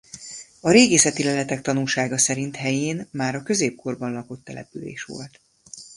A régészeti leletek tanúsága szerint helyén már a középkorban lakott település volt.